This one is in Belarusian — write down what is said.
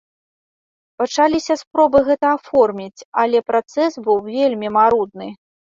Пачаліся спробы гэта аформіць, але працэс быў вельмі марудны.